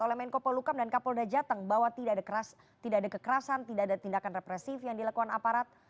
oleh menko polukam dan kapolda jateng bahwa tidak ada kekerasan tidak ada tindakan represif yang dilakukan aparat